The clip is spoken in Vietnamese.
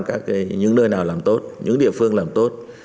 các những nơi nào làm tốt những địa phương làm tốt